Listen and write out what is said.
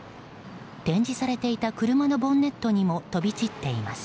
展示されていた車のボンネットにも飛び散っています。